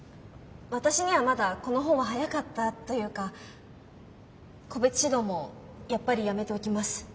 私にはまだこの本は早かったというか個別指導もやっぱりやめておきます。